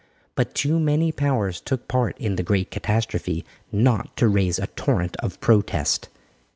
But too many powers took part in the great catastrophe not to raise a torrent of protest.